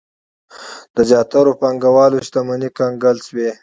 د زیاترو پانګوالو شتمنۍ کنګل شوې.